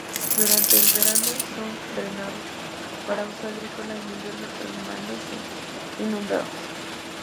Durante el verano son drenados para uso agrícola; en invierno permanecen inundados.